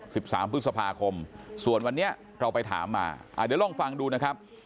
สิบสามพฤษภาคมส่วนวันนี้เราไปถามมาอ่าเดี๋ยวลองฟังดูนะครับ